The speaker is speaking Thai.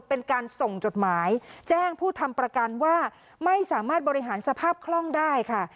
เป็นการส่งจดหมายแจ้งผู้ทำประกันว่าไม่สามารถบริหารสภาพคล่องได้ค่ะ